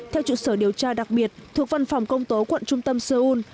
theo trụ sở điều tra đặc biệt thuộc văn phòng công tố quận trung tâm seoul